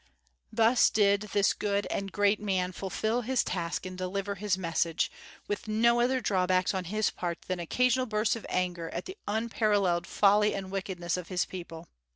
Thus did this good and great man fulfil his task and deliver his message, with no other drawbacks on his part than occasional bursts of anger at the unparalleled folly and wickedness of his people.